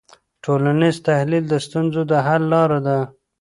ټولنیز تحلیل د ستونزو د حل لاره ده.